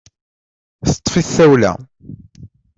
Teṭṭefi-t tawla .